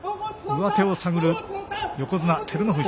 上手を探る横綱・照ノ富士。